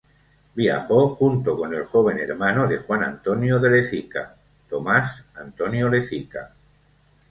Viajó junto con el joven hermano de Juan Antonio de Lezica, Tomás Antonio Lezica.